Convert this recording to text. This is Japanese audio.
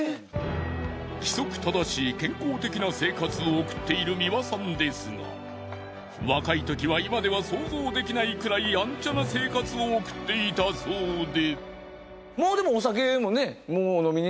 規則正しい健康的な生活を送っている美輪さんですが若い時は今では想像できないくらいヤンチャな生活を送っていたそうで。